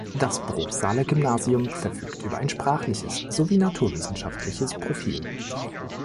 Das Bruchsaler Gymnasium verfügt über ein sprachliches sowie naturwissenschaftliches Profil.